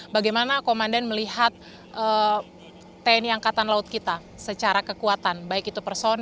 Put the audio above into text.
bagaimana komandan melihat tni angkatan laut kita secara kekuatan baik itu personil